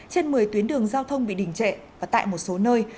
trên một mươi tuyến đường giao thông bị đình trệ và tại một số nơi